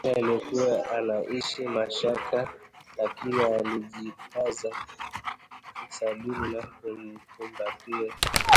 mazingira aliyokuwa anaishi Mashaka lakini alijikaza kisabuni na kumkumbatia